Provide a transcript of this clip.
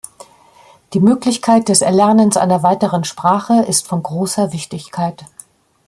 Die Möglichkeit des Erlernens einer weiteren Sprache ist von großer Wichtigkeit.